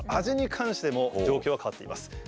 味に関しても状況は変わっています。